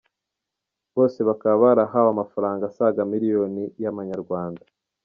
Bose bakaba barahawe amafaranga asaga miliyoni y’amanyarwanda.